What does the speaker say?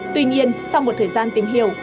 tuy nhiên sau một thời gian tìm hiểu